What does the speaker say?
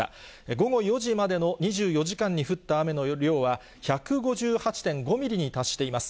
午後４時までの２４時間に降った雨の量は、１５８．５ミリに達しています。